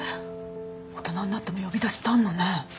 大人になっても呼び出しってあんのね。